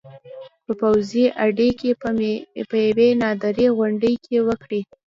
په پوځي اډې کې په یوې نادرې غونډې کې وکړې